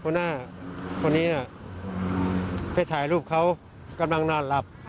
ผู้หน้าคนนี้เนี่ยเพื่อถ่ายรูปเขากำลังนอนหลับ